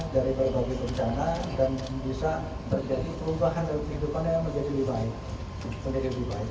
dari berbagai bencana dan bisa terjadi perubahan dalam kehidupannya yang menjadi lebih baik